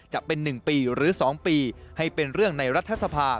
จะเป็น๑ปีหรือ๒ปีให้เป็นเรื่องในรัฐสภา